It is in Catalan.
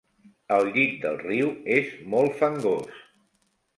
El llit del riu és molt fangós.